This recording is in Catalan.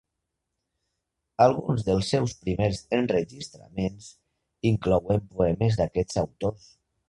Alguns dels seus primers enregistraments inclouen poemes d'aquests autors.